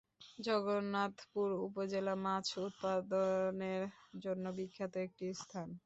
জগন্নাথপুর উপজেলা মাছ উৎপাদনের জন্য বিখ্যাত একটি স্থান।